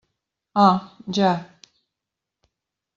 Ah, ja.